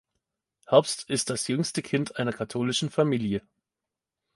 Herbst ist das jüngste Kind einer katholischen Familie.